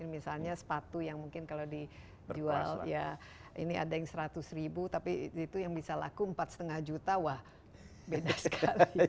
misalnya sepatu yang mungkin kalau dijual ya ini ada yang seratus ribu tapi itu yang bisa laku empat lima juta wah beda sekali